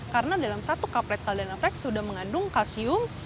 karena dalam satu kaplek caldana flex sudah mengandung kalsium